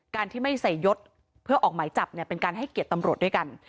การที่ไม่ใส่ยศเพื่อออกหมายจับเนี่ยเป็นการให้เกียรติตำรวจด้วยกัน